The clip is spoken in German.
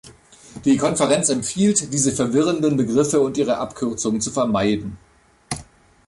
Die Konferenz empfiehlt, diese verwirrenden Begriffe und ihre Abkürzung zu vermeiden.